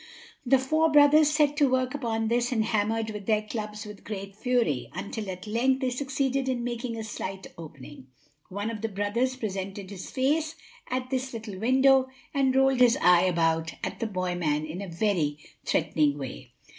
The four brothers set to work upon this and hammered with their clubs with great fury, until at length they succeeded in making a slight opening. One of the brothers presented his face at this little window and rolled his eye about at the boy man in a very threatening way.